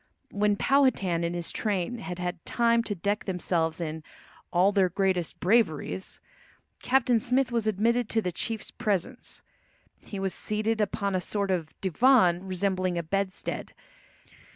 When Powhatan and his train had had time to deck themselves in all "their greatest braveries," Captain Smith was admitted to the chief's presence. He was seated upon a sort of divan resembling a bedstead.